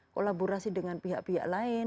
kolaborasi dengan pihak pihak lain